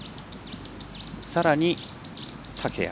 さらに、竹谷。